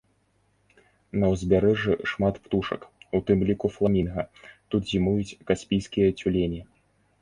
На ўзбярэжжы шмат птушак, у тым ліку фламінга, тут зімуюць каспійскія цюлені.